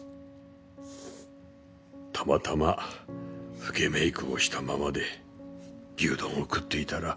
たまたま老けメイクをしたままで牛丼を食っていたら。